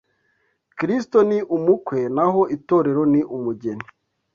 Kristo ni umukwe, naho itorero ni umugeni